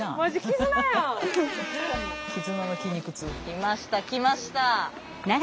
来ました来ました。